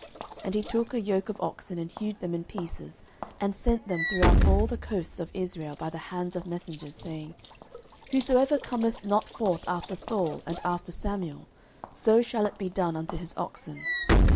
09:011:007 And he took a yoke of oxen, and hewed them in pieces, and sent them throughout all the coasts of Israel by the hands of messengers, saying, Whosoever cometh not forth after Saul and after Samuel, so shall it be done unto his oxen.